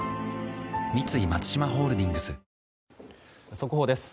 速報です。